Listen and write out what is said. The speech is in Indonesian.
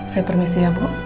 saya permisi ya bu